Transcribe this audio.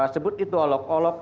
sebut itu olok olok